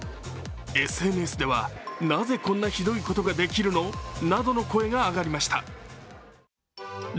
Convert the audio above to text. ＳＮＳでは、なぜこんなひどいことができるのなどの声が上がりました。